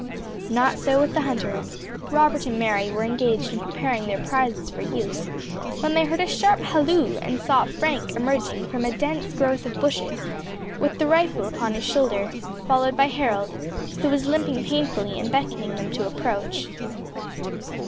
Not so with the hunters. Robert and Mary were engaged in preparing their prizes for use, when they heard a sharp halloo, and saw Frank emerging from a dense growth of bushes, with the rifle upon his shoulder, followed by Harold, who was limping painfully, and beckoning them to approach.